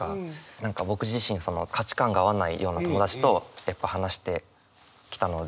何か僕自身価値観が合わないような友達とやっぱ話してきたので。